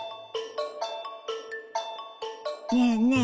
ねえねえ